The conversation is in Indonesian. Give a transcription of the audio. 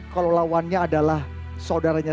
kalau lawannya adalah saudaranya